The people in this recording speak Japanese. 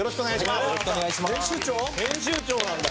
編集長なんだ。